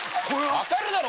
分かるだろ！